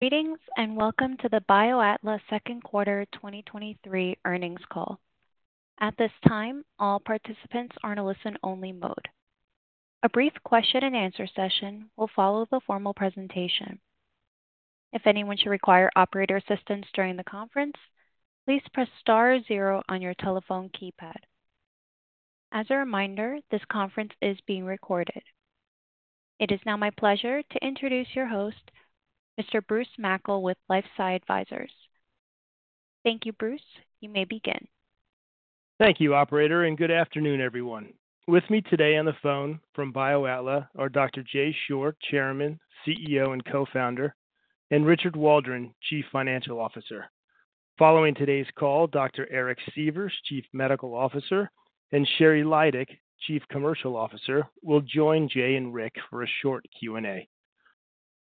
Greetings, and welcome to the BioAtla 2023 earnings call. At this time, all participants are in a listen-only mode. A brief question and answer session will follow the formal presentation. If anyone should require operator assistance during the conference, please press star zero on your telephone keypad. As a reminder, this conference is being recorded. It is now my pleasure to introduce your host, Mr. Bruce Mackle, with LifeSci Advisors. Thank you, Bruce. You may begin. Thank you, Operator. Good afternoon, everyone. With me today on the phone from BioAtla are Dr. Jay Short, Chairman, CEO, and Co-founder, and Richard Waldron, Chief Financial Officer. Following today's call, Dr. Eric Sievers, Chief Medical Officer, and Sheri Lydick, Chief Commercial Officer, will join Jay and Rick for a short Q&A.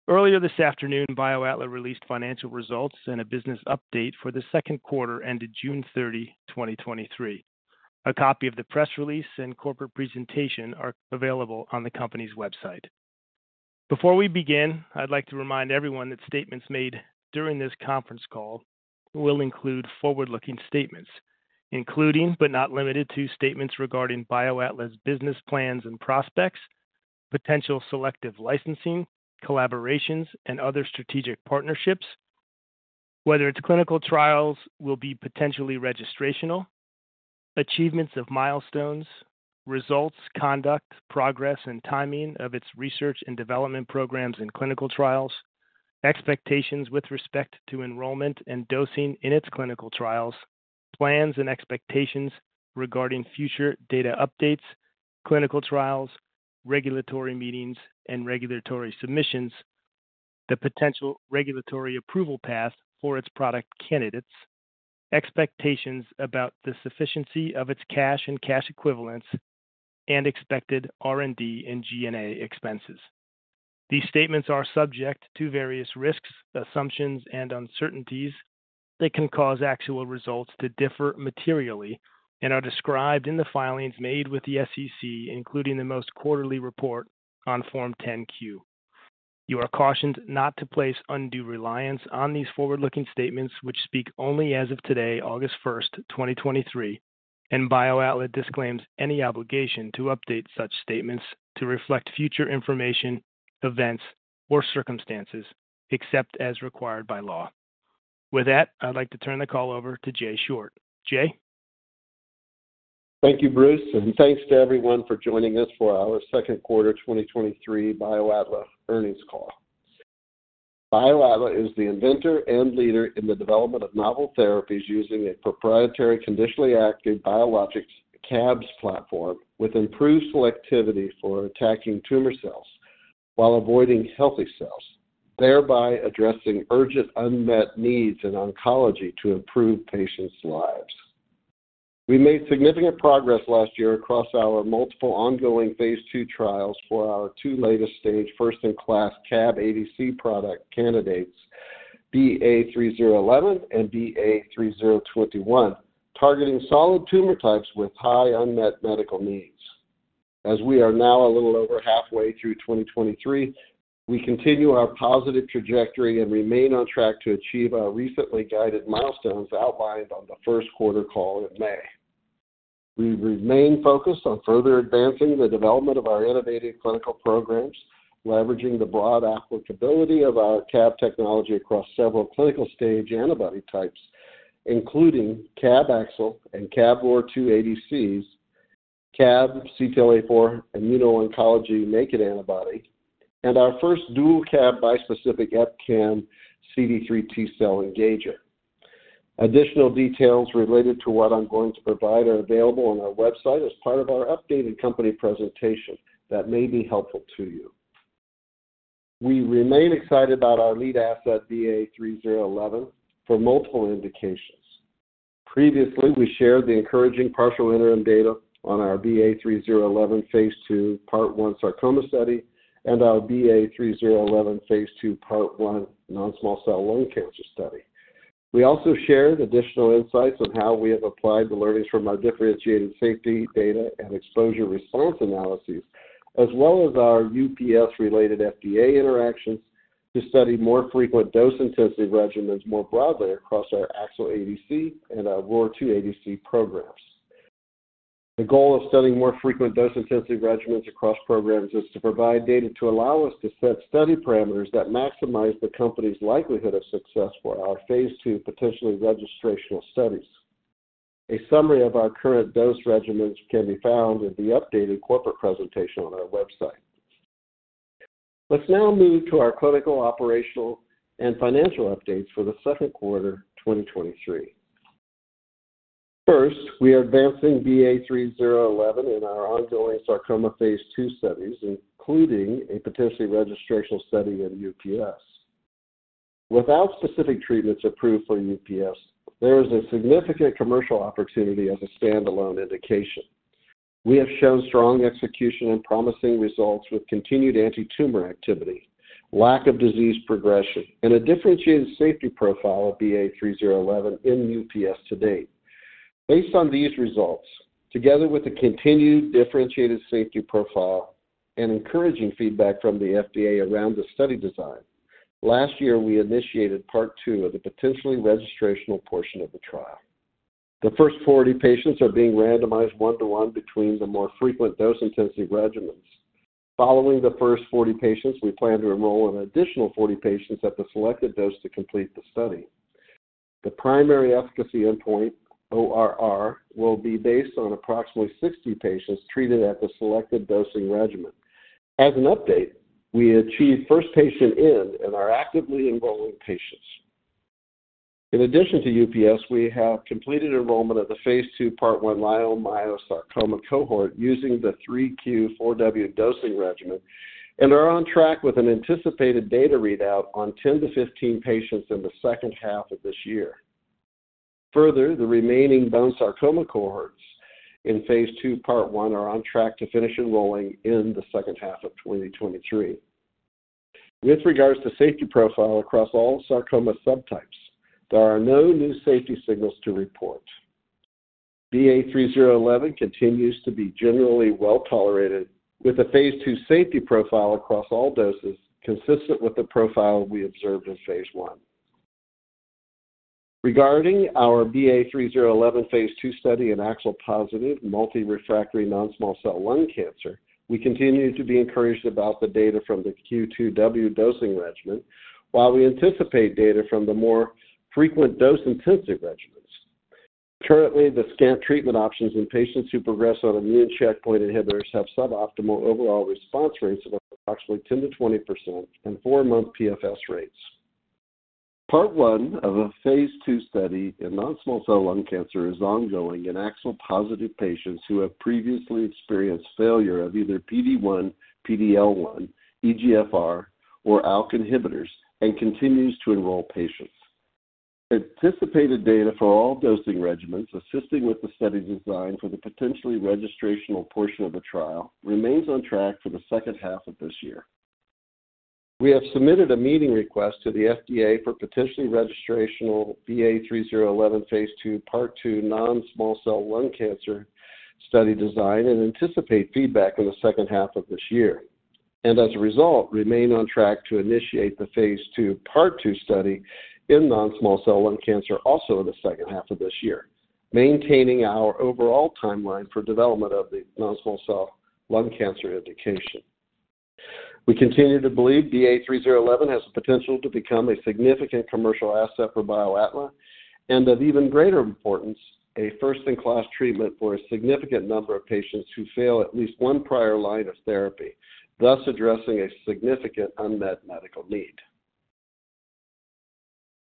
Earlier this afternoon, BioAtla released financial results and a business update for the Q2 ended June 30, 2023. A copy of the press release and corporate presentation are available on the company's website. Before we begin, I'd like to remind everyone that statements made during this conference call will include forward-looking statements, including, but not limited to, statements regarding BioAtla's business plans and prospects, potential selective licensing, collaborations, and other strategic partnerships, whether its clinical trials will be potentially registrational, achievements of milestones, results, conduct, progress, and timing of its research and development programs and clinical trials, expectations with respect to enrollment and dosing in its clinical trials, plans and expectations regarding future data updates, clinical trials, regulatory meetings, and regulatory submissions, the potential regulatory approval path for its product candidates, expectations about the sufficiency of its cash and cash equivalents, and expected R&D and G&A expenses. These statements are subject to various risks, assumptions, and uncertainties that can cause actual results to differ materially and are described in the filings made with the SEC, including the most quarterly report on Form 10-Q. You are cautioned not to place undue reliance on these forward-looking statements, which speak only as of today, August 1, 2023, and BioAtla disclaims any obligation to update such statements to reflect future information, events, or circumstances, except as required by law. With that, I'd like to turn the call over to Jay Short. Jay? Thank you, Bruce, and thanks to everyone for joining us for our second quarter 2023 BioAtla earnings call. BioAtla is the inventor and leader in the development of novel therapies using a proprietary Conditionally Active Biologics CABs platform with improved selectivity for attacking tumor cells while avoiding healthy cells, thereby addressing urgent unmet needs in oncology to improve patients' lives. We made significant progress last year across our multiple ongoing phase II trials for our two latest stage, first-in-class CAB ADC product candidates, BA3011 and BA3021, targeting solid tumor types with high unmet medical needs. As we are now a little over halfway through 2023, we continue our positive trajectory and remain on track to achieve our recently guided milestones outlined on the first quarter call in May. We remain focused on further advancing the development of our innovative clinical programs, leveraging the broad applicability of our CAB technology across several clinical-stage antibody types, including CAB-AXL and CAB-ROR2 ADCs, CAB-CTLA-4 immuno-oncology naked antibody, and our first dual CAB bispecific EpCAM CD3 T cell engager. Additional details related to what I'm going to provide are available on our website as part of our updated company presentation that may be helpful to you. We remain excited about our lead asset, BA3011, for multiple indications. Previously, we shared the encouraging partial interim data on our BA3011 phase II Part one sarcoma study and our BA3011 phase II Part one non-small cell lung cancer study. We also shared additional insights on how we have applied the learnings from our differentiated safety data and exposure-response analyses, as well as our UPS-related FDA interactions to study more frequent dose intensity regimens more broadly across our AXL ADC and our ROR2 ADC programs. The goal of studying more frequent dose-intensity regimens across programs is to provide data to allow us to set study parameters that maximize the company's likelihood of success for our phase II potentially registrational studies. A summary of our current dose regimens can be found in the updated corporate presentation on our website. Let's now move to our clinical, operational, and financial updates for the Q2 2023. First, we are advancing BA3011 in our ongoing sarcoma phase II studies, including a potentially registrational study in UPS. Without specific treatments approved for UPS, there is a significant commercial opportunity as a standalone indication. We have shown strong execution and promising results with continued anti-tumor activity, lack of disease progression, and a differentiated safety profile of BA3011 in UPS to date. Based on these results, together with the continued differentiated safety profile and encouraging feedback from the FDA around the study design, last year, we initiated part two of the potentially registrational portion of the trial. The first 40 patients are being randomized 1 to 1 between the more frequent dose-intensive regimens. Following the first 40 patients, we plan to enroll an additional 40 patients at the selected dose to complete the study. The primary efficacy endpoint, ORR, will be based on approximately 60 patients treated at the selected dosing regimen. As an update, we achieved first patient in and are actively enrolling patients. In addition to UPS, we have completed enrollment of the phase II, part one leiomyosarcoma cohort using the three Q, four W dosing regimen and are on track with an anticipated data readout on 10 to 15 patients in the second half of this year. The remaining bone sarcoma cohorts in phase II, part one, are on track to finish enrolling in the second half of 2023. With regards to safety profile across all sarcoma subtypes, there are no new safety signals to report. BA3011 continues to be generally well-tolerated, with a phase II safety profile across all doses, consistent with the profile we observed in phase I. Regarding our BA3011 phase II study in AXL-positive, multi-refractory non-small cell lung cancer, we continue to be encouraged about the data from the Q2W dosing regimen, while we anticipate data from the more frequent dose-intensive regimens. Currently, the scant treatment options in patients who progress on immune checkpoint inhibitors have suboptimal overall response rates of approximately 10%-20% and four month PFS rates. part one of a phase II study in non-small cell lung cancer is ongoing in AXL-positive patients who have previously experienced failure of either PD-1, PD-L1, EGFR, or ALK inhibitors, and continues to enroll patients. Anticipated data for all dosing regimens, assisting with the study design for the potentially registrational portion of the trial, remains on track for the second half of this year. We have submitted a meeting request to the FDA for potentially registrational BA3011, phase II, part two, non-small cell lung cancer study design and anticipate feedback in the H2 of this year, and as a result, remain on track to initiate the phase II, part two study in non-small cell lung cancer also in the second half of this year, maintaining our overall timeline for development of the non-small cell lung cancer indication. We continue to believe BA3011 has the potential to become a significant commercial asset for BioAtla, and of even greater importance, a first-in-class treatment for a significant number of patients who fail at least one prior line of therapy, thus addressing a significant unmet medical need.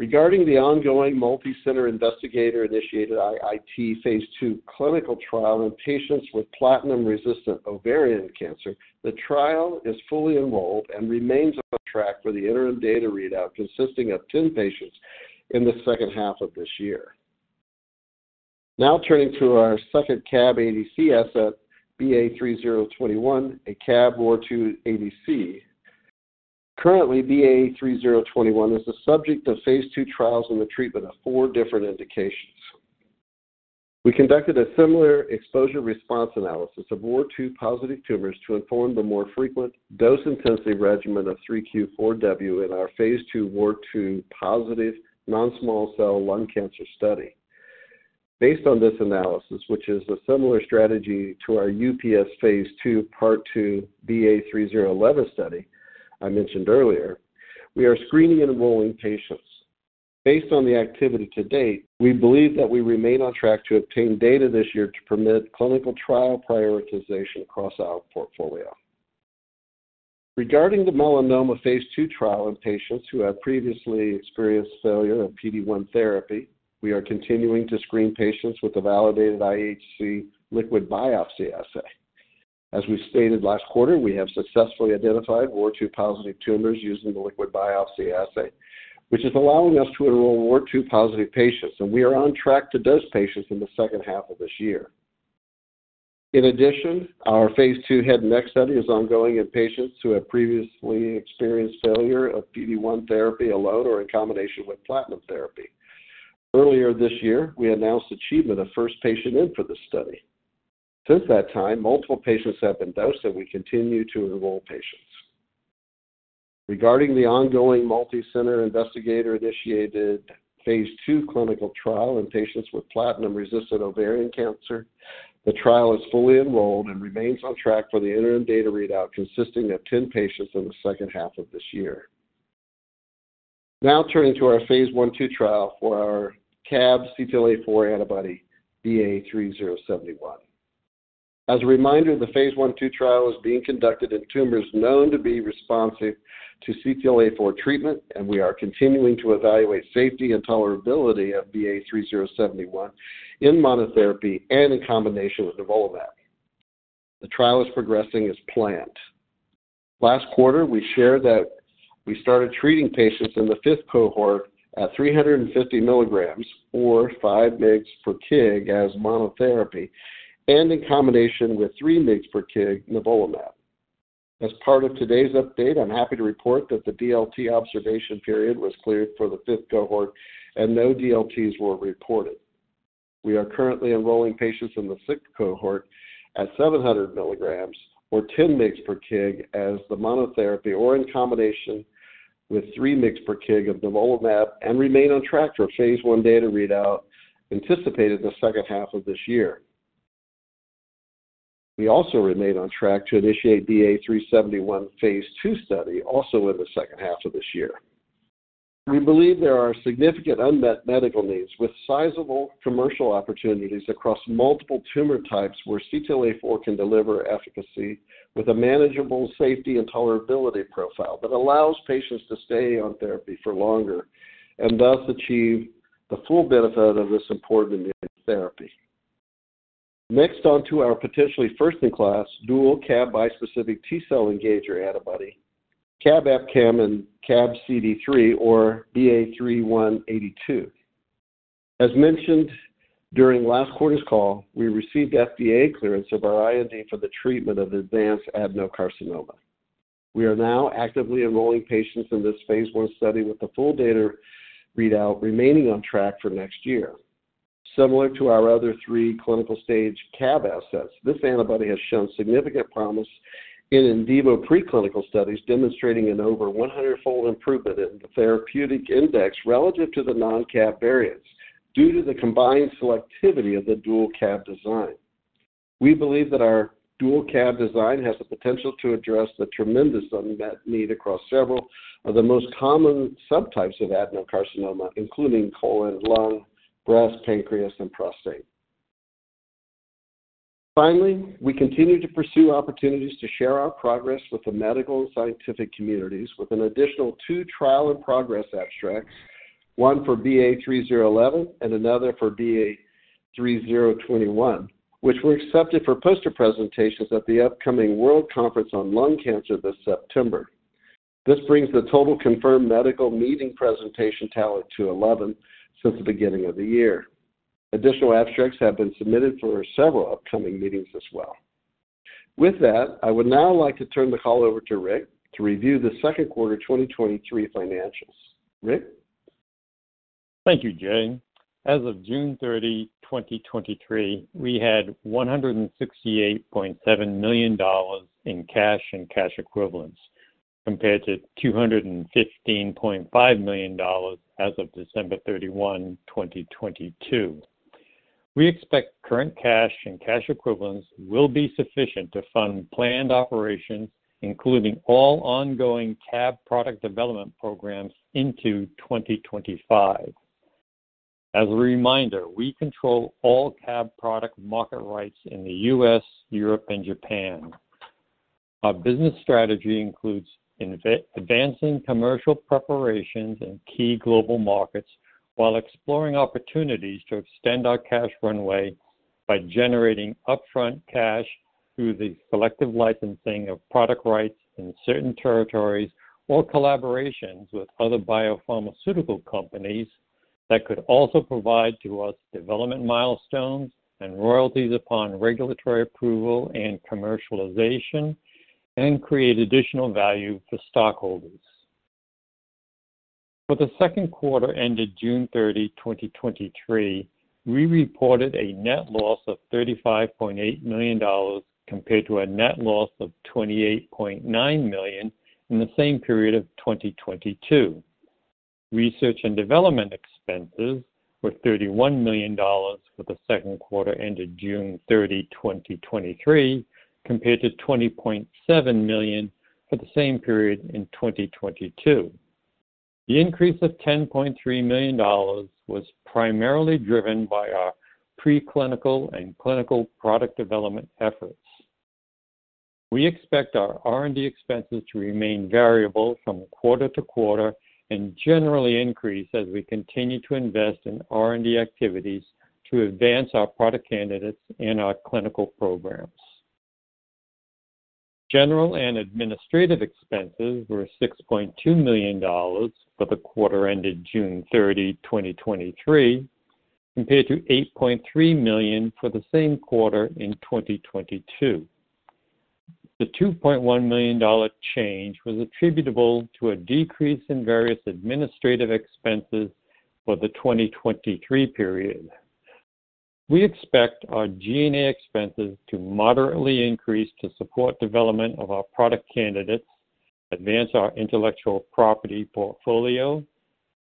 Regarding the ongoing multi-center investigator-initiated IIT phase II clinical trial in patients with platinum-resistant ovarian cancer, the trial is fully enrolled and remains on track for the interim data readout, consisting of 10 patients in the H2 of this year. Turning to our second CAB ADC asset, BA3021, a CAB ROR2 ADC. Currently, BA3021 is the subject of phase two trials in the treatment of four different indications. We conducted a similar exposure-response analysis of ROR2-positive tumors to inform the more frequent dose intensity regimen of three Q, four W in our phase two, ROR2-positive, non-small cell lung cancer study. Based on this analysis, which is a similar strategy to our UPS phase two, part two, BA3011 study I mentioned earlier, we are screening and enrolling patients. Based on the activity to date, we believe that we remain on track to obtain data this year to permit clinical trial prioritization across our portfolio. Regarding the melanoma phase II trial in patients who have previously experienced failure of PD-1 therapy, we are continuing to screen patients with a validated IHC liquid biopsy assay. As we stated last quarter, we have successfully identified ROR2-positive tumors using the liquid biopsy assay, which is allowing us to enroll ROR2-positive patients. We are on track to dose patients in the H2 of this year. In addition, our phase II head and neck study is ongoing in patients who have previously experienced failure of PD-1 therapy alone or in combination with platinum therapy. Earlier this year, we announced achievement of first patient in for this study. Since that time, multiple patients have been dosed, and we continue to enroll patients. Regarding the ongoing multi-center investigator-initiated phase II clinical trial in patients with platinum-resistant ovarian cancer, the trial is fully enrolled and remains on track for the interim data readout, consisting of 10 patients in the second half of this year. Now turning to our phase I/II trial for our CAB-CTLA-4 antibody, BA3071. As a reminder, the phase I/II trial is being conducted in tumors known to be responsive to CTLA-4 treatment, and we are continuing to evaluate safety and tolerability of BA3071 in monotherapy and in combination with nivolumab. The trial is progressing as planned. Last quarter, we shared that we started treating patients in the fifth cohort at 350 milligrams or five mgs per kg as monotherapy and in combination with three mgs per kg nivolumab. As part of today's update, I'm happy to report that the DLT observation period was cleared for the fifth cohort, and no DLTs were reported. We are currently enrolling patients in the sixth cohort at 700 milligrams or 10 mgs per kg as the monotherapy, or in combination with three mgs per kg of nivolumab, and remain on track for phase one data readout, anticipated in the H2 of this year. We also remain on track to initiate BA3071 phase two study, also in the H2 of this year. We believe there are significant unmet medical needs with sizable commercial opportunities across multiple tumor types, where CTLA-4 can deliver efficacy with a manageable safety and tolerability profile that allows patients to stay on therapy for longer, and thus achieve the full benefit of this important new therapy. On to our potentially first-in-class dual CAB bispecific T-cell engager antibody, CAB-EpCAM and CAB-CD3, or BA3182. As mentioned during last quarter's call, we received FDA clearance of our IND for the treatment of advanced adenocarcinoma. We are now actively enrolling patients in this phase I study, with the full data readout remaining on track for next year. Similar to our other three clinical-stage CAB assets, this antibody has shown significant promise in in vivo preclinical studies, demonstrating an over 100-fold improvement in the therapeutic index relative to the non-CAB variants due to the combined selectivity of the dual CAB design. We believe that our dual CAB design has the potential to address the tremendous unmet need across several of the most common subtypes of adenocarcinoma, including colon, lung, breast, pancreas, and prostate. Finally, we continue to pursue opportunities to share our progress with the medical and scientific communities, with an additional two trial and progress abstracts, one for BA3011 and another for BA3021, which were accepted for poster presentations at the upcoming World Conference on Lung Cancer this September. This brings the total confirmed medical meeting presentation tally to 11 since the beginning of the year. Additional abstracts have been submitted for several upcoming meetings as well. With that, I would now like to turn the call over to Rick to review the Q2 2023 financials. Rick? Thank you, Jay. As of June 30, 2023, we had $168.7 million in cash and cash equivalents, compared to $215.5 million as of December 31, 2022. We expect current cash and cash equivalents will be sufficient to fund planned operations, including all ongoing CAB product development programs, into 2025. As a reminder, we control all CAB product market rights in the US, Europe, and Japan. Our business strategy includes advancing commercial preparations in key global markets while exploring opportunities to extend our cash runway by generating upfront cash through the selective licensing of product rights in certain territories, or collaborations with other biopharmaceutical companies that could also provide to us development milestones and royalties upon regulatory approval and commercialization, and create additional value for stockholders. For the Q2 ended June 30, 2023, we reported a net loss of $35.8 million, compared to a net loss of $28.9 million in the same period of 2022. Research and development expenses were $31 million for the Q2 ended June 30, 2023, compared to $20.7 million for the same period in 2022. The increase of $10.3 million was primarily driven by our preclinical and clinical product development efforts. We expect our R&D expenses to remain variable from quarter to quarter and generally increase as we continue to invest in R&D activities to advance our product candidates and our clinical programs. General and administrative expenses were $6.2 million for the quarter ended June 30, 2023, compared to $8.3 million for the same quarter in 2022. The $2.1 million change was attributable to a decrease in various administrative expenses for the 2023 period. We expect our G&A expenses to moderately increase to support development of our product candidates, advance our intellectual property portfolio,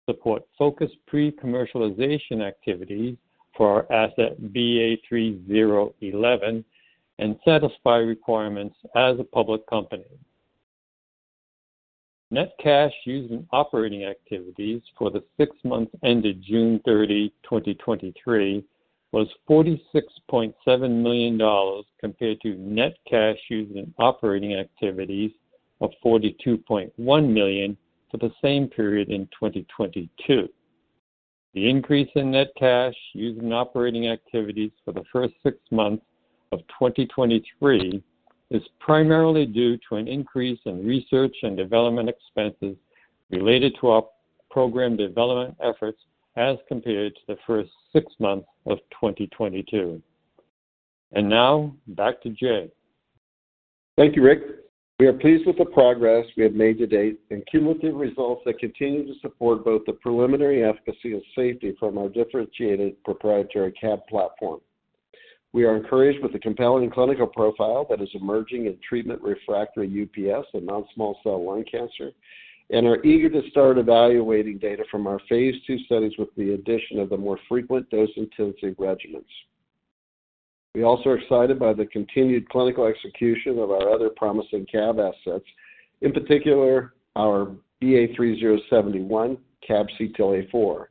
support focused pre-commercialization activities for our asset BA3011, and satisfy requirements as a public company. Net cash used in operating activities for the six months ended June 30, 2023, was $46.7 million, compared to net cash used in operating activities of $42.1 million for the same period in 2022. The increase in net cash used in operating activities for the first six months of 2023 is primarily due to an increase in research and development expenses related to our program development efforts as compared to the first six months of 2022. Now, back to Jay. Thank you, Rick. We are pleased with the progress we have made to date and cumulative results that continue to support both the preliminary efficacy and safety from our differentiated proprietary CAB platform. We are encouraged with the compelling clinical profile that is emerging in treatment-refractory UPS and non-small cell lung cancer, and are eager to start evaluating data from our phase II studies with the addition of the more frequent dose intensity regimens. We also are excited by the continued clinical execution of our other promising CAB assets, in particular, our BA3071, CAB-CTLA-4,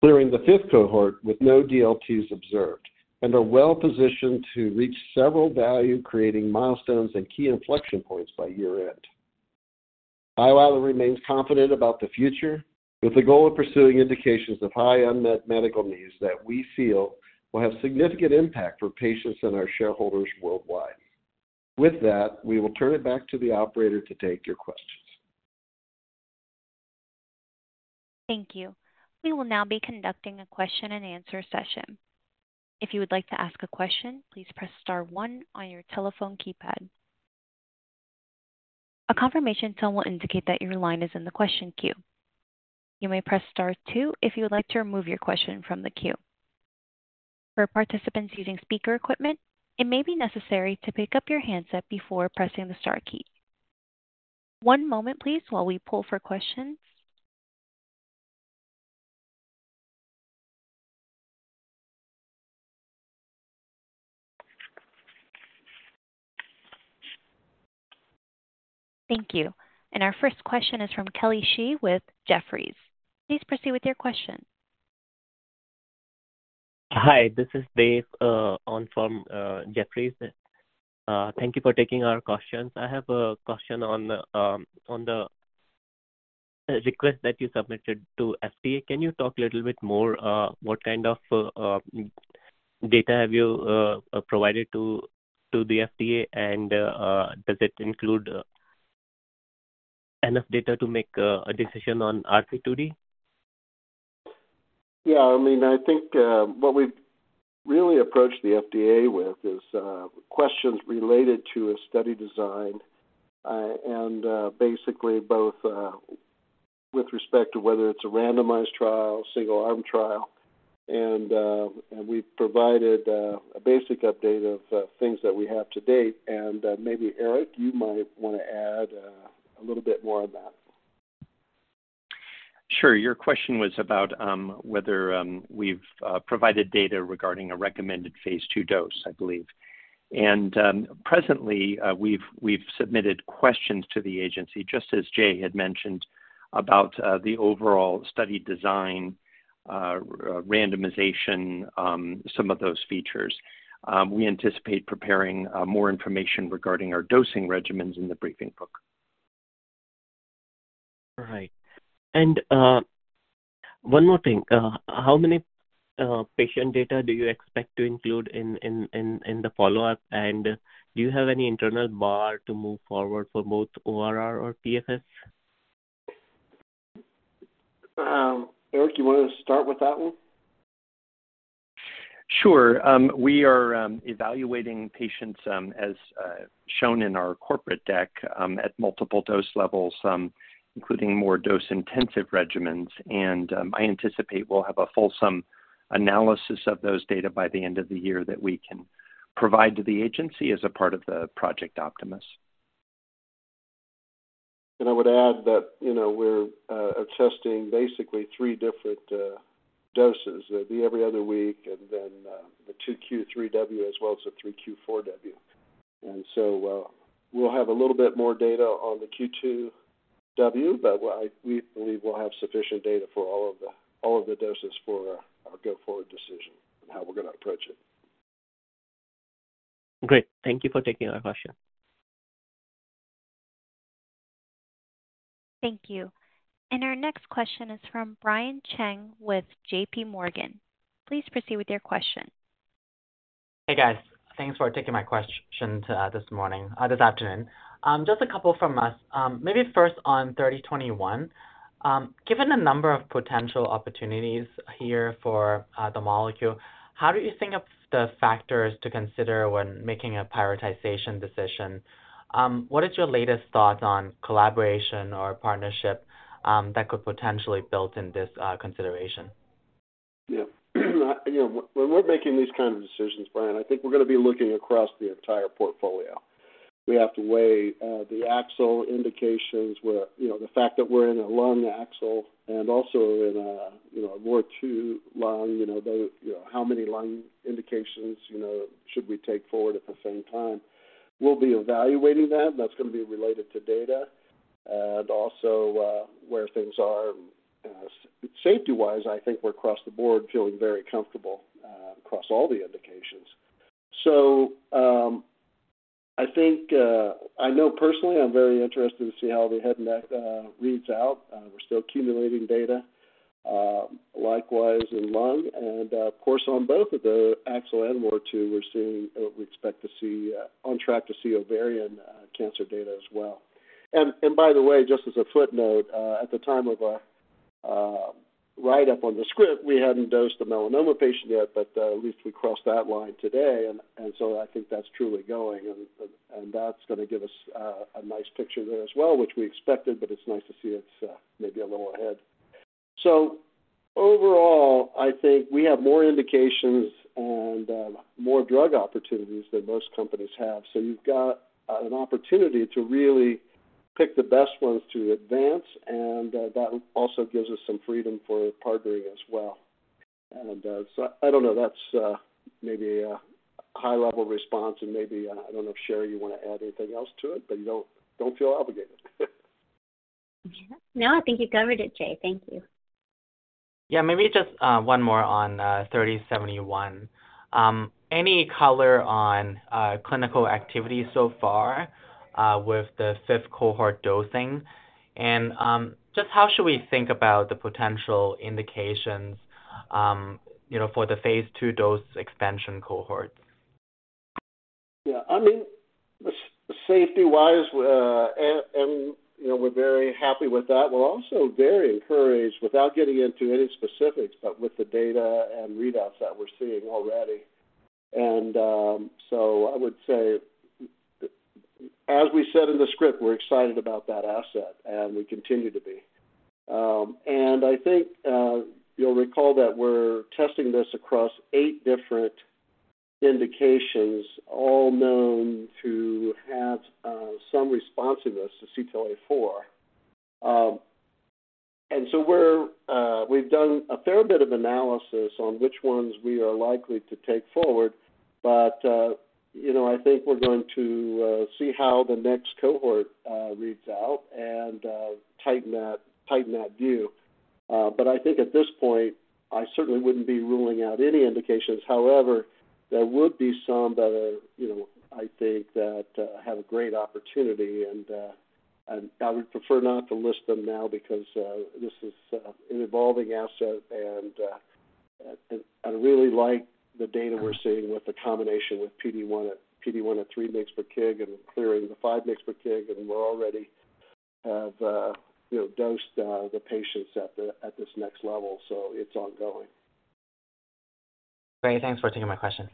clearing the fifth cohort with no DLTs observed, and are well positioned to reach several value-creating milestones and key inflection points by year-end. Iowilla remains confident about the future, with the goal of pursuing indications of high unmet medical needs that we feel will have significant impact for patients and our shareholders worldwide. With that, we will turn it back to the operator to take your questions. Thank you. We will now be conducting a question and answer session. If you would like to ask a question, please press star one on your telephone keypad. A confirmation tone will indicate that your line is in the question queue. You may press star two if you would like to remove your question from the queue. For participants using speaker equipment, it may be necessary to pick up your handset before pressing the star key. One moment please while we pull for questions. Thank you. Our first question is from Kelly Shi with Jefferies. Please proceed with your question. Hi, this is Dave, on from Jefferies. Thank you for taking our questions. I have a question on the request that you submitted to FDA. Can you talk a little bit more, what kind of data have you provided to the FDA? Does it include enough data to make a decision on RP2D? Yeah, I think, what we've really approached the FDA with is questions related to a study design and basically both with respect to whether it's a randomized trial, single arm trial. We've provided a basic update of things that we have to date. Maybe Eric, you might want to add a little bit more on that. Sure. Your question was about whether we've provided data regarding a recommended phase II dose, I believe. Presently, we've submitted questions to the agency, just as Jay had mentioned, about the overall study design, randomization, some of those features. We anticipate preparing more information regarding our dosing regimens in the briefing book. Right. One more thing. How many patient data do you expect to include in the follow-up? Do you have any internal bar to move forward for both ORR or PFS? Eric, you want to start with that one? Sure. We are evaluating patients, as shown in our corporate deck, at multiple dose levels, including more dose-intensive regimens. I anticipate we'll have a fulsome analysis of those data by the end of the year that we can provide to the agency as a part of the Project Optimus. I would add that, you know, we're assessing basically three different doses. It'd be every other week, and then, the two Q3W, as well as the three Q4W. We'll have a little bit more data on the Q2W, but what we believe we'll have sufficient data for all of the, all of the doses for our go-forward decision and how we're gonna approach it. Great. Thank you for taking our question. Thank you. Our next question is from Brian Cheng with JPMorgan. Please proceed with your question. Hey, guys. Thanks for taking my question to this morning, this afternoon. Just a couple from us. Maybe first on BA3021. Given the number of potential opportunities here for the molecule, how do you think of the factors to consider when making a prioritization decision? What is your latest thought on collaboration or partnership that could potentially built in this consideration? Yeah. You know, when we're making these kind of decisions, Brian, I think we're gonna be looking across the entire portfolio. We have to weigh, the AXL indications where, you know, the fact that we're in a lung AXL and also in a, you know, a more two lung, you know, the, you know, how many lung indications, you know, should we take forward at the same time? We'll be evaluating that, and that's gonna be related to data, and also, where things are. Safety-wise, I think we're across the board feeling very comfortable, across all the indications. I think, I know personally, I'm very interested to see how the head and neck, reads out. We're still accumulating data.... likewise in lung and, of course, on both of the AXL and ROR2, we're seeing, or we expect to see, on track to see ovarian cancer data as well. By the way, just as a footnote, at the time of our write-up on the script, we hadn't dosed the melanoma patient yet, but at least we crossed that line today. So I think that's truly going, and that's gonna give us a nice picture there as well, which we expected, but it's nice to see it's maybe a little ahead. Overall, I think we have more indications and more drug opportunities than most companies have. You've got an opportunity to really pick the best ones to advance, that also gives us some freedom for partnering as well. I don't know, that's maybe a high-level response, and maybe I don't know if, sheri, you wanna add anything else to it. You don't, don't feel obligated. Yeah. No, I think you covered it, Jay. Thank you. Yeah, maybe just one more on BA3071. Any color on clinical activity so far with the fifth cohort dosing? Just how should we think about the potential indications, you know, for the phase II dose expansion cohorts? Yeah. I mean, safety-wise, and, and, you know, we're very happy with that. We're also very encouraged, without getting into any specifics, but with the data and readouts that we're seeing already. So I would say, as we said in the script, we're excited about that asset, and we continue to be. I think, you'll recall that we're testing this across eight different indications, all known to have, some responsiveness to CTLA-4. So we're, we've done a fair bit of analysis on which ones we are likely to take forward, but, you know, I think we're going to, see how the next cohort, reads out and, tighten that, tighten that view. I think at this point, I certainly wouldn't be ruling out any indications. However, there would be some that are, you know, I think that have a great opportunity, and I would prefer not to list them now because this is an evolving asset, and I really like the data we're seeing with the combination with PD-1 at, PD-1 at threemg/kg and clearing the five mg/kg, and we're already have, you know, dosed the patients at this next level. It's ongoing. Great. Thanks for taking my question.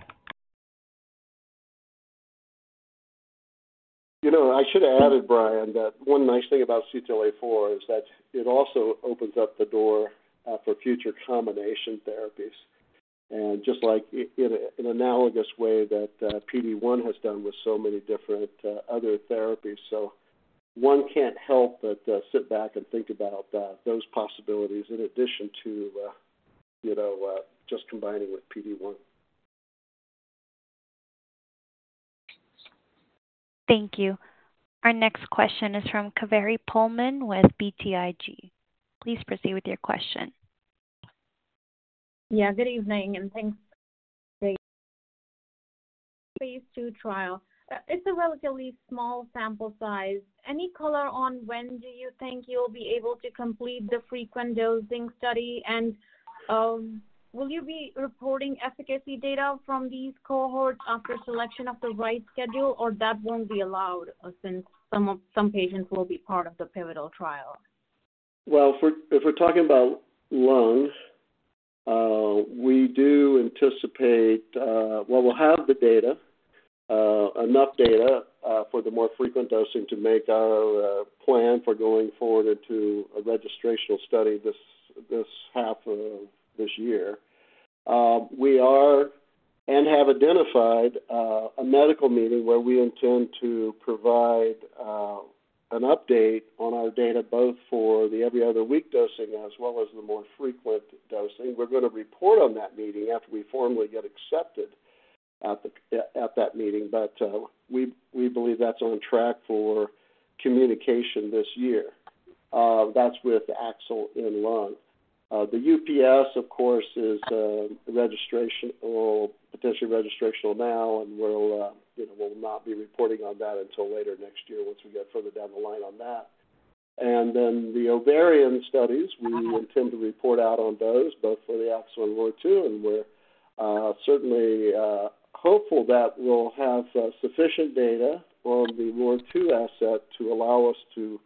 You know, I should have added, Brian, that one nice thing about CTLA-4 is that it also opens up the door for future combination therapies. Just like in a, an analogous way that PD-1 has done with so many different other therapies. One can't help but sit back and think about those possibilities in addition to, you know, just combining with PD-1. Thank you. Our next question is from Kaveri Pohlman with BTIG. Please proceed with your question. Yeah, good evening, and thanks, Jay. phase II trial, it's a relatively small sample size. Any color on when do you think you'll be able to complete the frequent dosing study? Will you be reporting efficacy data from these cohorts after selection of the right schedule, or that won't be allowed, since some patients will be part of the pivotal trial? Well, if we're, if we're talking about lung, we do anticipate, well, we'll have the data, enough data, for the more frequent dosing to make our plan for going forward into a registrational study this half of this year. We are and have identified a medical meeting where we intend to provide an update on our data, both for the every other week dosing as well as the more frequent dosing. We're gonna report on that meeting after we formally get accepted at the, at, at that meeting, but we, we believe that's on track for communication this year. That's with AXL in lung. The UPS, of course, is registration or potentially registrational now, and we'll, you know, we'll not be reporting on that until later next year once we get further down the line on that. Then the ovarian studies, we intend to report out on those, both for the AXL and ROR2, and we're certainly hopeful that we'll have sufficient data on the ROR2 asset to allow us to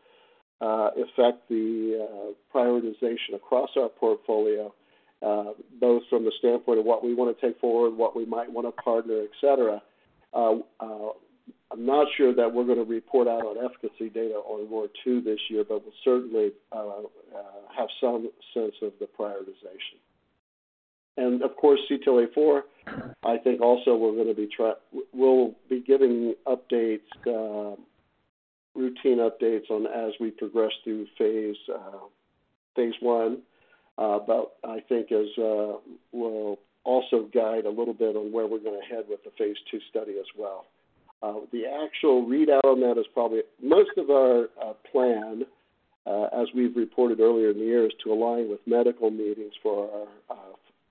affect the prioritization across our portfolio, both from the standpoint of what we wanna take forward, what we might wanna partner, etc. I'm not sure that we're gonna report out on efficacy data on ROR2 this year, we'll certainly have some sense of the prioritization. Of course, CTLA-4, I think also we're gonna be We, we'll be giving updates, routine updates on as we progress through phase I. I think as, we'll also guide a little bit on where we're gonna head with the phase II study as well. The actual readout on that is probably Most of our plan, as we've reported earlier in the year, is to align with medical meetings for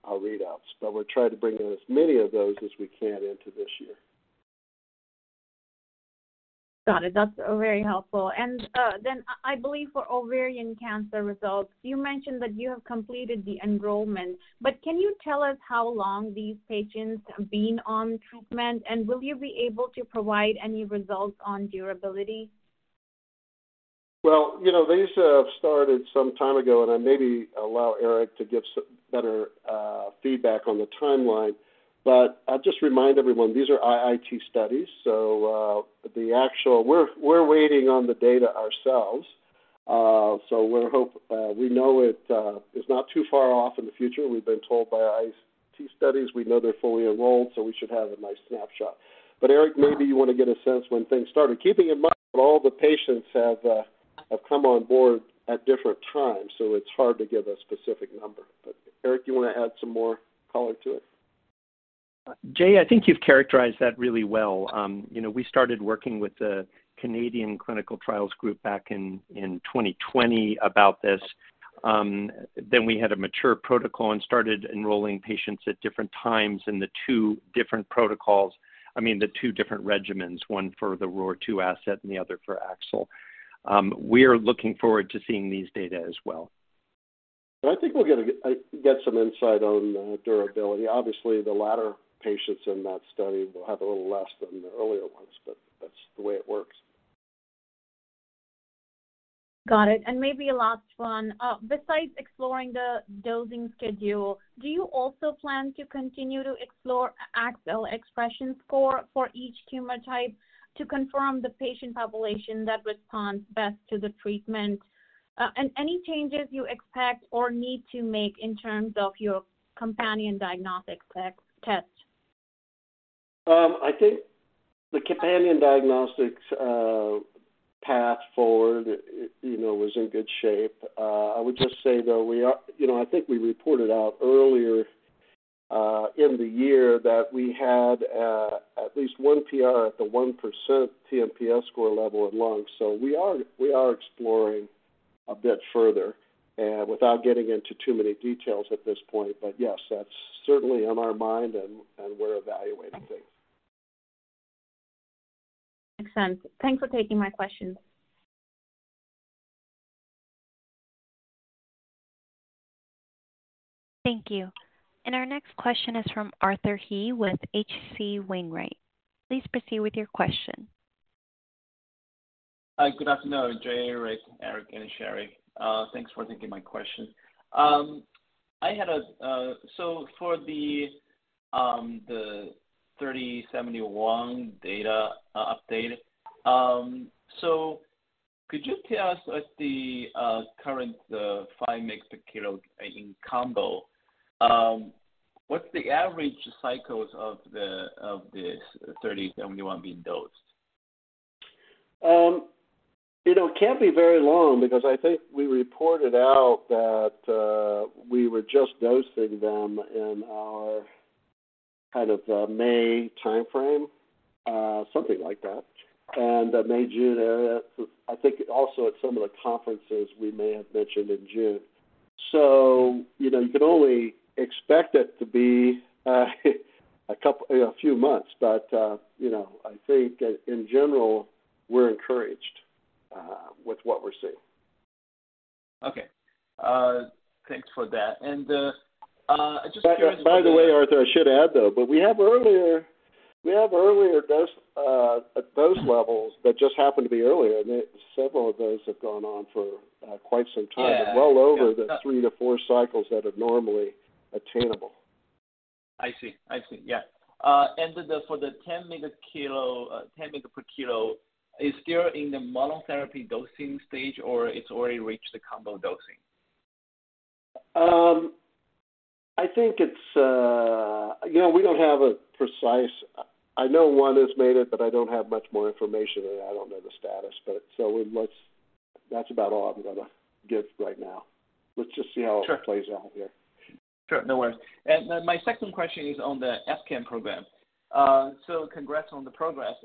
our readouts, but we'll try to bring in as many of those as we can into this year. Got it. That's very helpful. I, I believe for ovarian cancer results, you mentioned that you have completed the enrollment, but can you tell us how long these patients have been on treatment, and will you be able to provide any results on durability? Well, you know, these have started some time ago, and I maybe allow Eric to give some better feedback on the timeline. I'll just remind everyone, these are IIT studies, so the actual, we're waiting on the data ourselves. We're hope, we know it is not too far off in the future. We've been told by IIT studies, we know they're fully enrolled, so we should have a nice snapshot. Eric, maybe you want to get a sense when things started. Keeping in mind that all the patients have come on board at different times, so it's hard to give a specific number. Eric, you want to add some more color to it? Jay, I think you've characterized that really well. You know, we started working with the Canadian Cancer Trials Group back in, in 2020 about this. Then we had a mature protocol and started enrolling patients at different times in the two different protocols. I mean, the two different regimens, one for the ROR2 asset and the other for AXL. We are looking forward to seeing these data as well. I think we'll get a, get some insight on the durability. Obviously, the latter patients in that study will have a little less than the earlier ones, but that's the way it works. Got it. Maybe a last one. Besides exploring the dosing schedule, do you also plan to continue to explore AXL expression score for each tumor type to confirm the patient population that responds best to the treatment? Any changes you expect or need to make in terms of your companion diagnostic test? I think the companion diagnostics path forward, you know, was in good shape. I would just say, though, you know, I think we reported out earlier in the year that we had one PR at the 1% TMPL score level in lung. We are, we are exploring a bit further without getting into too many details at this point. Yes, that's certainly on our mind, and we're evaluating things. Excellent. Thanks for taking my question. Thank you. Our next question is from Arthur He with H.C. Wainwright. Please proceed with your question. Hi, good afternoon, Jay, Eric, and sheri. Thanks for taking my question. For the BA3071 data update, could you tell us what the current five mg/kg in combo, what's the average cycles of this BA3071 being dosed? It know, it can't be very long because I think we reported out that, we were just dosing them in our kind of, May timeframe, something like that. That May, June area, I think also at some of the conferences we may have mentioned in June. You know, you can only expect it to be, a couple, a few months, but, you know, I think in general, we're encouraged, with what we're seeing. Okay. thanks for that. I'm just curious. By the way, Arthur, I should add, though, but we have earlier, we have earlier dose, dose levels that just happened to be earlier. Several of those have gone on for, quite some time. Yeah. Well over the three to four cycles that are normally attainable. I see. I see. Yeah. For the 10 mg/kg, 10 mg/kg, is still in the monotherapy dosing stage, or it's already reached the combo dosing? I think it's, you know, we don't have a precise... I know one has made it, but I don't have much more information, and I don't know the status. That's about all I'm gonna give right now. Let's just see how- Sure. It plays out here. Sure, no worries. My second question is on the EpCAM program. Congrats on the progress.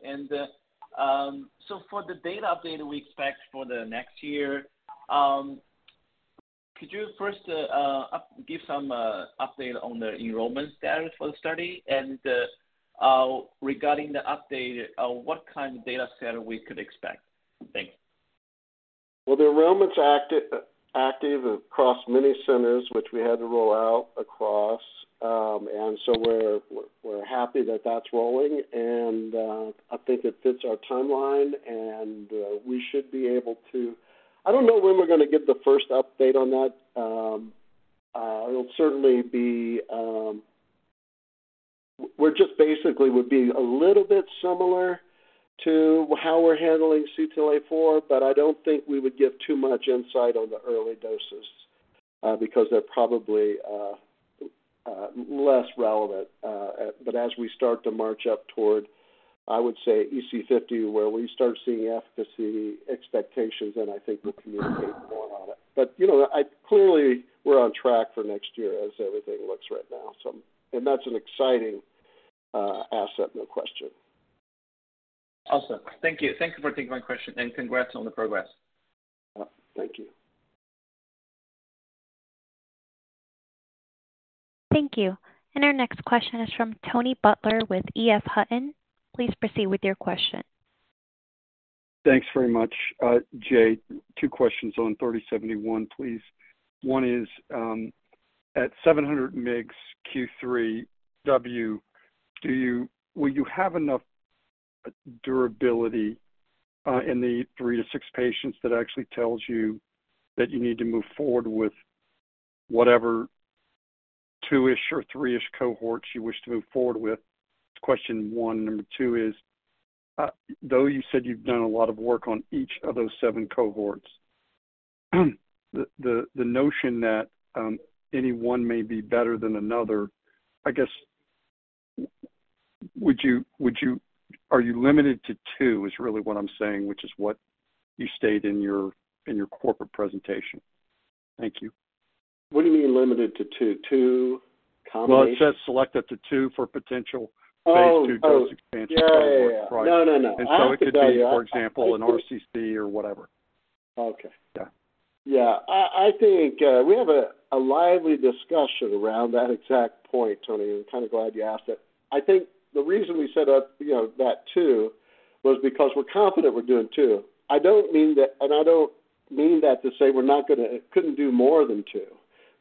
For the data update we expect for the next year, could you first give some update on the enrollment status for the study? Regarding the update, what kind of data set we could expect? Thanks. Well, the enrollment's active, active across many centers, which we had to roll out across. So we're, we're happy that that's rolling, and I think it fits our timeline, and we should be able to... I don't know when we're gonna get the first update on that. It'll certainly be, we're just basically would be a little bit similar to how we're handling CTLA-4, but I don't think we would give too much insight on the early doses, because they're probably less relevant. As we start to march up toward, I would say, EC50, where we start seeing efficacy expectations, then I think we'll communicate more on it. You know, I clearly we're on track for next year as everything looks right now. That's an exciting asset, no question. Awesome. Thank you. Thank you for taking my question. Congrats on the progress. Thank you. Thank you. Our next question is from Tony Butler with EF Hutton. Please proceed with your question. Thanks very much, Jay. two questions on BA3071, please. one is, at 700 mgs Q3W, will you have enough durability in the three to six patients that actually tells you that you need to move forward with whatever two-ish or three-ish cohorts you wish to move forward with? That's question one. Number two is, though you said you've done a lot of work on each of those seven cohorts, the notion that any one may be better than another, I guess, are you limited to two, is really what I'm saying, which is what you stated in your corporate presentation. Thank you. What do you mean limited to two? Two combination- Well, it says select up to two for potential- Oh, oh. phase II dose expansion. Yeah, yeah, yeah. No, no, no. It could be, for example, an RCC or whatever. Okay. Yeah. Yeah. I, I think, we have a lively discussion around that exact point, Tony. I'm kind of glad you asked it. I think the reason we set up, you know, that 2 was because we're confident we're doing two. I don't mean that... I don't mean that to say we're not gonna, couldn't do more than two,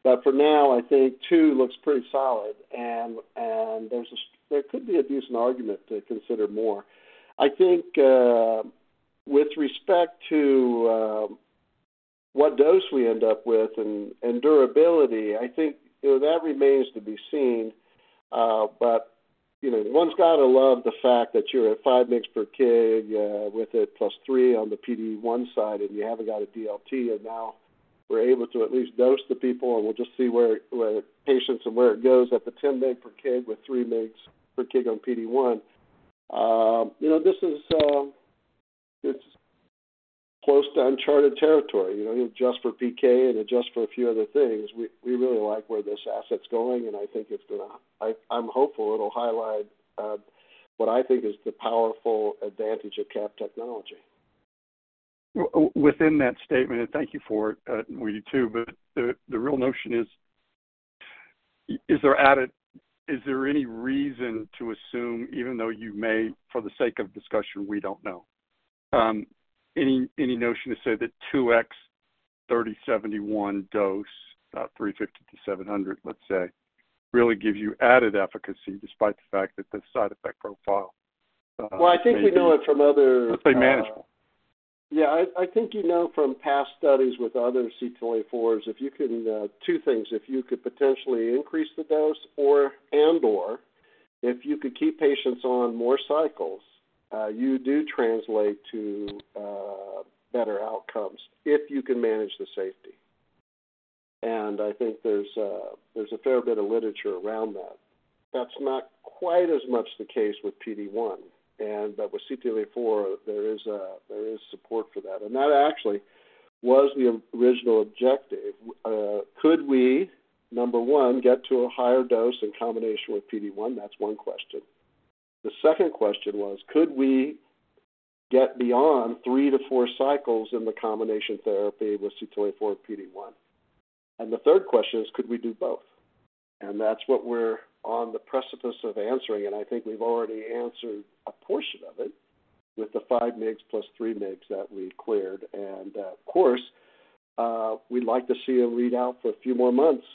but for now, I think two looks pretty solid, and there's a there could be a decent argument to consider more. I think, with respect to what dose we end up with and durability, I think, you know, that remains to be seen. You know, one's gotta love the fact that you're at five mgs per kg, with a +3 on the PD-1 side, and you haven't got a DLT, and now we're able to at least dose the people, and we'll just see where, where patients and where it goes at the 10 mg per kg with three mgs per kg on PD-1. You know, this is, it's close to uncharted territory. You know, you adjust for PK and adjust for a few other things. We, we really like where this asset's going, and I think it's gonna-- I, I'm hopeful it'll highlight what I think is the powerful advantage of CAB technology. Within that statement, and thank you for it, we too, but the real notion is, is there any reason to assume, even though you may, for the sake of discussion, we don't know, any notion to say that 2x BA3071 dose, about 350 to 700, let's say, really gives you added efficacy despite the fact that the side effect profile. Well, I think we know it from other. Let's say, manageable. Yeah, I, I think you know from past studies with other CTLA-4 is if you can, two things: if you could potentially increase the dose or, and/or if you could keep patients on more cycles, you do translate to better outcomes if you can manage the safety. And I think there's a, there's a fair bit of literature around that. That's not quite as much the case with PD-1, and, but with CTLA-4, there is a, there is support for that, and that actually was the original objective. Could we, number one, get to a higher dose in combination with PD-1? That's one question. The second question was, could we get beyond 3 to 4 cycles in the combination therapy with CTLA-4 PD-1? And the third question is: Could we do both? That's what we're on the precipice of answering, and I think we've already answered a portion of it with the five mgs plus three mgs that we cleared. Of course, we'd like to see a readout for a few more months.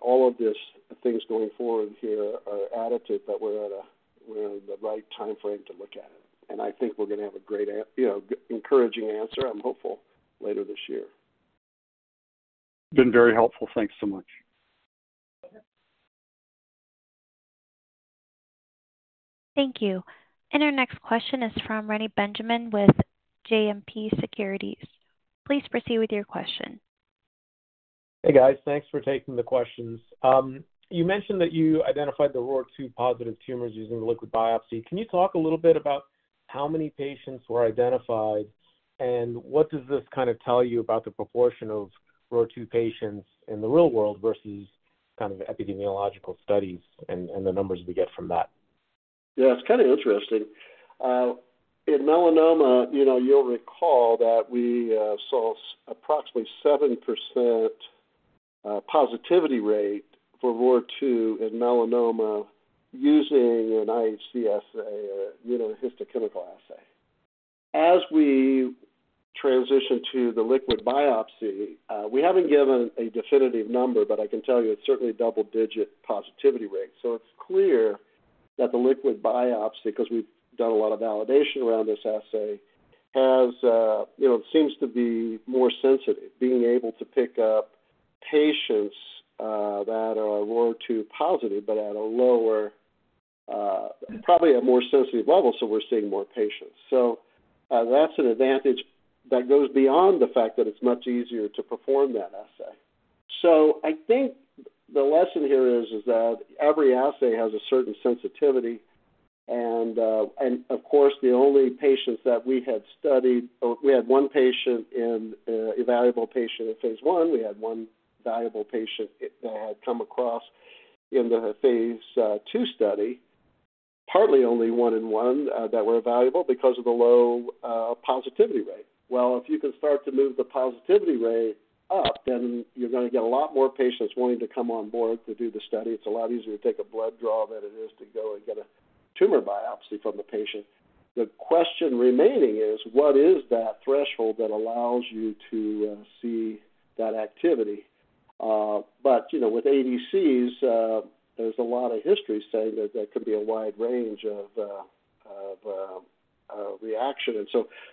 All of these things going forward here are additive, but we're in the right timeframe to look at it, and I think we're gonna have a great you know, encouraging answer, I'm hopeful, later this year. Been very helpful. Thanks so much. Thank you. Our next question is from Reni Benjamin with JMP Securities. Please proceed with your question. Hey, guys. Thanks for taking the questions. You mentioned that you identified the ROR2 positive tumors using the liquid biopsy. Can you talk a little bit about how many patients were identified, and what does this kind of tell you about the proportion of ROR2 patients in the real world versus kind of epidemiological studies and the numbers we get from that? It's kind of interesting. In melanoma, you know, you'll recall that we saw approximately 7% positivity rate for ROR2 in melanoma using an IHC assay, you know, a histochemical assay. As we transition to the liquid biopsy, we haven't given a definitive number, but I can tell you it's certainly a double-digit positivity rate. It's clear that the liquid biopsy, 'cause we've done a lot of validation around this assay, has, you know, seems to be more sensitive, being able to pick up patients that are ROR2 positive, but at a lower, probably a more sensitive level, so we're seeing more patients. That's an advantage that goes beyond the fact that it's much easier to perform that assay. I think the lesson here is, is that every assay has a certain sensitivity and, and of course, the only patients that we had studied, or we had one patient in, evaluable patient in phase I, we had one valuable patient that had come across in the phase II study. Partly only one in one that were valuable because of the low positivity rate. If you can start to move the positivity rate up, then you're gonna get a lot more patients willing to come on board to do the study. It's a lot easier to take a blood draw than it is to go and get a tumor biopsy from the patient. The question remaining is, what is that threshold that allows you to see that activity? You know, with ADCs, there's a lot of history saying that there could be a wide range of reaction.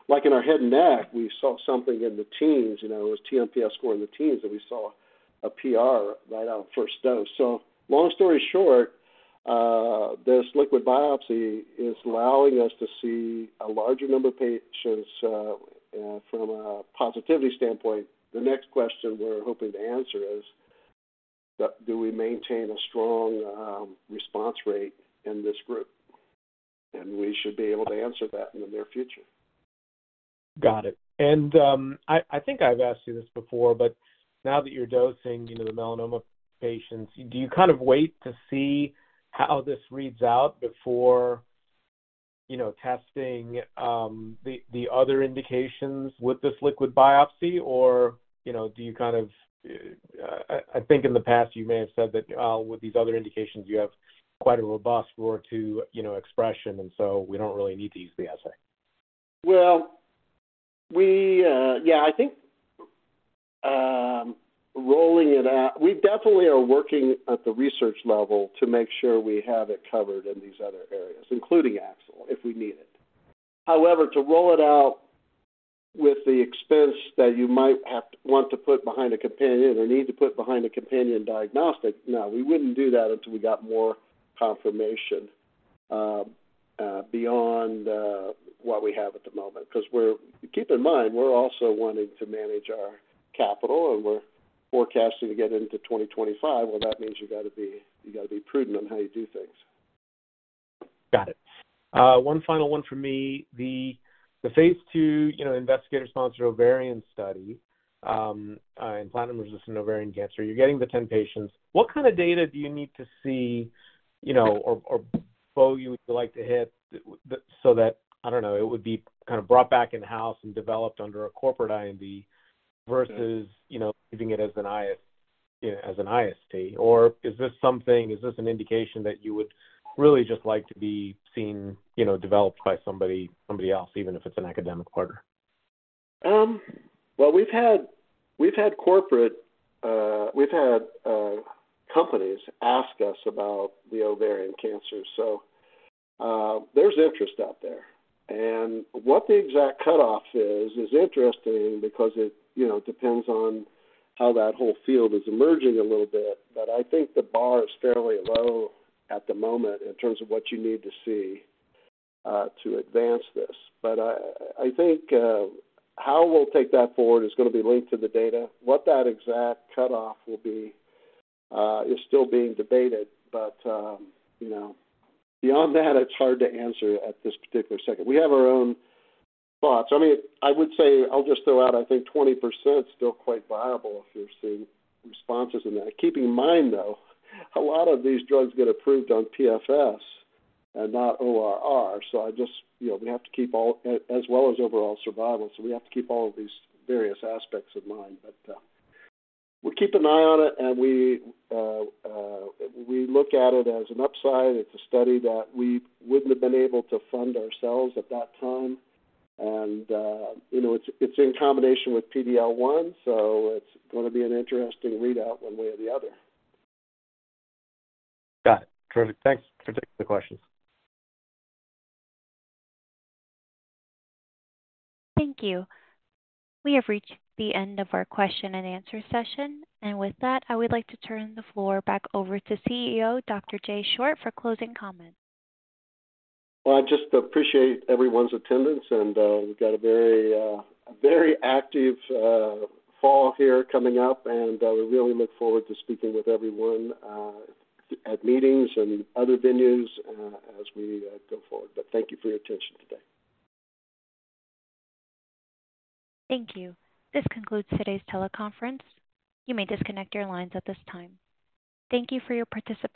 Like in our head and neck, we saw something in the teens, you know, it was TPS score in the teens, and we saw a PR right out first dose. Long story short, this liquid biopsy is allowing us to see a larger number of patients from a positivity standpoint. The next question we're hoping to answer is, do we maintain a strong response rate in this group? We should be able to answer that in the near future. Got it. I, I think I've asked you this before, but now that you're dosing, you know, the melanoma patients, do you kind of wait to see how this reads out before, you know, testing, the other indications with this liquid biopsy? You know, do you kind of I, I think in the past you may have said that, with these other indications, you have quite a robust ROR2, you know, expression, and so we don't really need to use the assay. We, yeah, I think, rolling it out. We definitely are working at the research level to make sure we have it covered in these other areas, including AXL, if we need it. However, to roll it out with the expense that you might have to, want to put behind a companion or need to put behind a companion diagnostic, no, we wouldn't do that until we got more confirmation beyond what we have at the moment. Because we're. Keep in mind, we're also wanting to manage our capital, and we're forecasting to get into 2025. That means you gotta be, you gotta be prudent on how you do things. Got it. One final one for me. The phase II, you know, investigator-sponsored ovarian study in platinum-resistant ovarian cancer, you're getting the 10 patients. What kind of data do you need to see, you know, or, or foe you would you like to hit so that, I don't know, it would be kind of brought back in-house and developed under a corporate IND versus- Yeah... you know, leaving it as an IS, as an IST? Is this something, is this an indication that you would really just like to be seen, you know, developed by somebody, somebody else, even if it's an academic partner? Well, we've had, we've had corporate, we've had, companies ask us about the ovarian cancer, so, there's interest out there. What the exact cutoff is, is interesting because it, you know, depends on how that whole field is emerging a little bit. I think the bar is fairly low at the moment in terms of what you need to see, to advance this. I, I think, how we'll take that forward is gonna be linked to the data. What that exact cutoff will be, is still being debated, but, you know, beyond that, it's hard to answer at this particular second. We have our own thoughts. I mean, I would say, I'll just throw out, I think 20% is still quite viable if you're seeing responses in that. Keeping in mind, though, a lot of these drugs get approved on PFS and not ORR. I just, you know, we have to keep all... As well as overall survival, we have to keep all of these various aspects in mind. We'll keep an eye on it, and we look at it as an upside. It's a study that we wouldn't have been able to fund ourselves at that time. You know, it's, it's in combination with PD-L1, it's gonna be an interesting readout one way or the other. Got it. Terrific. Thanks for taking the questions. Thank you. We have reached the end of our question-and-answer session, and with that, I would like to turn the floor back over to CEO, Dr. Jay Short, for closing comments. Well, I just appreciate everyone's attendance and we've got a very active fall here coming up, and we really look forward to speaking with everyone at meetings and other venues as we go forward. Thank you for your attention today. Thank you. This concludes today's teleconference. You may disconnect your lines at this time. Thank you for your participation.